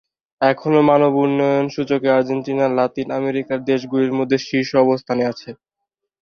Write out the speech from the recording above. এখনও মানব উন্নয়ন সূচকে আর্জেন্টিনা লাতিন আমেরিকার দেশগুলির মধ্যে শীর্ষ অবস্থানে আছে।